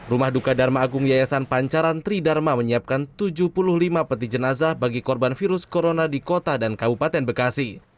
rumah duka dharma agung yayasan pancaran tridharma menyiapkan tujuh puluh lima peti jenazah bagi korban virus corona di kota dan kabupaten bekasi